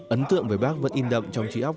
ấn tượng về bác vẫn in đậm trong trí ốc